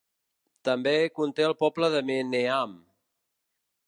També conté el poble de Meneham.